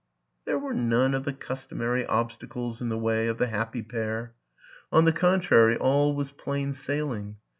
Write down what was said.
There were none of the customary obstacles in the way of the happy pair on the contrary, all 22 WILLIAM AN ENGLISHMAN was plain sailing.